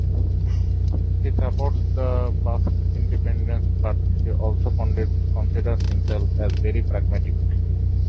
He supports the Basque independence but he also considers himself as very pragmatic.